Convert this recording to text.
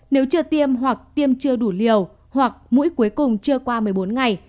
nếu chưa tiêm hoặc tiêm chưa đủ liều hoặc mũi cuối cùng chưa qua một mươi bốn ngày